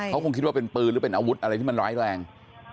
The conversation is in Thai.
เขาคงคิดว่าเป็นปืนหรือเป็นอาวุธอะไรที่มันร้ายแรง